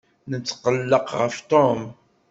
Netqelleq ɣef Tom.